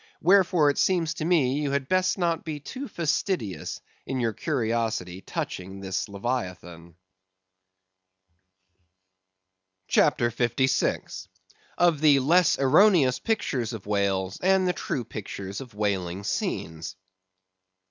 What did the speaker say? Wherefore, it seems to me you had best not be too fastidious in your curiosity touching this Leviathan. CHAPTER 56. Of the Less Erroneous Pictures of Whales, and the True Pictures of Whaling Scenes.